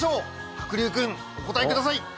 白竜君お答えください。